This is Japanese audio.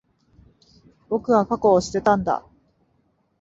僕は、過去を捨てたんだ。